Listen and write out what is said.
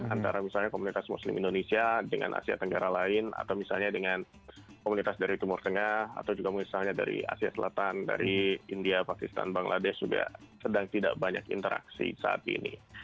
antara misalnya komunitas muslim indonesia dengan asia tenggara lain atau misalnya dengan komunitas dari timur tengah atau juga misalnya dari asia selatan dari india pakistan bangladesh juga sedang tidak banyak interaksi saat ini